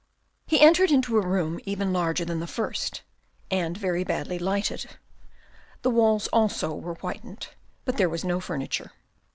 He entered into a room even larger than the first, and very badly lighted. The walls also were whitened, but there was no furniture.